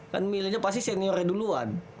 kan milihnya pasti seniornya duluan